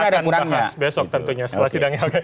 kita akan bahas besok tentunya setelah sidangnya